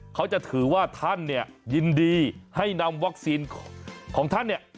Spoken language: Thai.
เขาจะถือว่าท่านเนี่ยยินดีให้นำวัคซีนของท่านเนี่ย